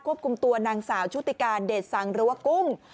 คุมตัวนางสาวชุติการเดชสังหรือว่ากุ้ง